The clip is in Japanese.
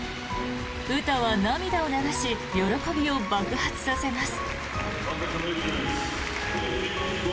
詩は涙を流し喜びを爆発させます。